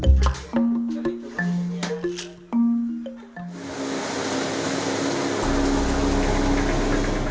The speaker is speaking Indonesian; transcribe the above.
terima kasih pak